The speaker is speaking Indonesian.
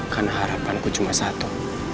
karena harapanku cuma satu